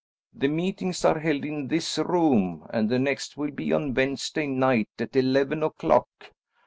"The meetings are held in this room, and the next will be on Wednesday night at eleven o'clock."